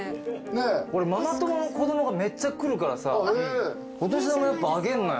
俺ママ友の子供がめっちゃ来るからさお年玉やっぱあげんのよ。